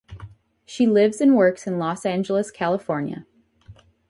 She lives and works in Los Angeles, California.